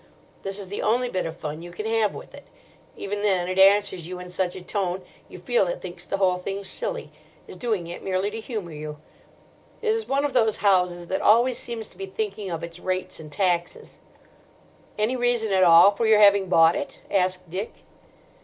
This is the only bit of fun you can have with it. Even then it answers you in such a tone you feel it thinks the whole thing silly—is doing it merely to humour you. It is one of those houses that always seems to be thinking of its rates and taxes." "Any reason at all for your having bought it?" asked Dick.